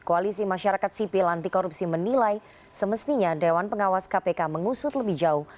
koalisi masyarakat sipil anti korupsi menilai semestinya dewan pengawas kpk mengusut lebih jauh